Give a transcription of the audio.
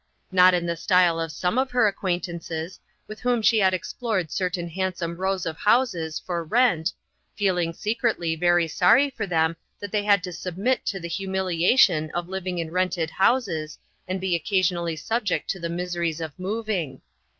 Not in the style of some of her acquaintances, with whom she had ex plored certain handsome rows of houses "for rent," feeling secretly very sorry for them that they had to submit to the humiliation of living in rented houses and be occasionally subject to the miseries of moving.